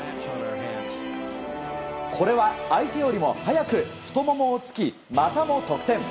これは、相手よりも速く太ももを突きまたも得点。